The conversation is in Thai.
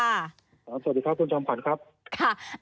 สวัสดีครับคุณจำขวัญครับ